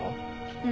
うん。